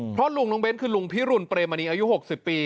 เพราะลุงน้องเบ้นคือลุงพิรุณเปรมณีอายุ๖๐ปี